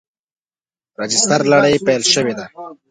راجستر لړۍ پیل شوې ده.